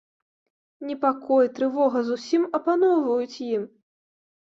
Непакой, трывога зусім апаноўваюць ім.